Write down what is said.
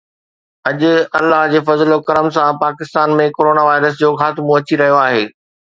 اڄ الله جي فضل و ڪرم سان پاڪستان ۾ ڪرونا وائرس جو خاتمو اچي رهيو آهي